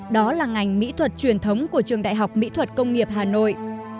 đó là ngành mỹ thuật truyền thống của trường đại học mỹ thuật công nghiệp hà nội